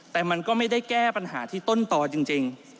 แต่มันก็ไม่ได้แก้ปัญหาที่ต้นต่อจริง